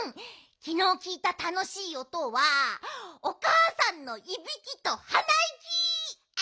きのうきいたたのしいおとはおかあさんのいびきとはないき！